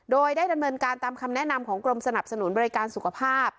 โดยได้ดำเนินการตามคำแนะนำของกรมสนับสนุนบริการสุขภาพ